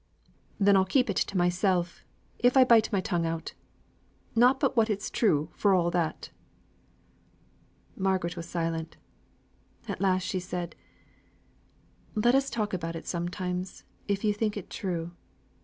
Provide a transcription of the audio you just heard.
"Then I'll keep it to mysel', if I bite my tongue out. Not but what it's true for all that." Margaret was silent. At last she said, "Let us talk about it sometimes, if you think it true.